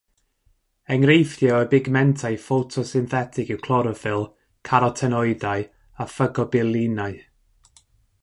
Enghreifftiau o bigmentau ffotosynthetig yw cloroffyl, carotenoidau a ffycobilinau.